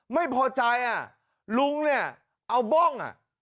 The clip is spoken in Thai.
ไม่พอใจลุงเอาบ้อง